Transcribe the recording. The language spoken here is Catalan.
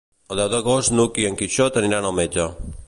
El deu d'agost n'Hug i en Quixot aniran al metge.